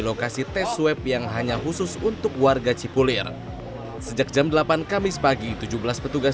lokasi tes swab yang hanya khusus untuk warga cipulir sejak jam delapan kamis pagi tujuh belas petugas